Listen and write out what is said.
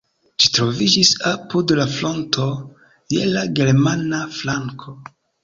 Ĝi troviĝis apud la fronto, je la germana flanko.